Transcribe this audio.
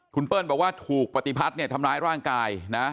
คุณเปิ้ลบอกว่าถูกปฏิพัฒน์เนี่ยทำร้ายร่างกายนะ